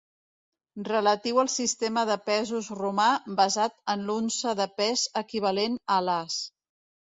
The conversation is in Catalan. Relatiu al sistema de pesos romà basat en l'unça de pes equivalent a l'as.